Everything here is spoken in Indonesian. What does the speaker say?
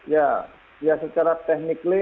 ya secara teknikly